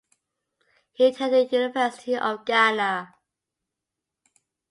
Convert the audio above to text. He attended University of Ghana.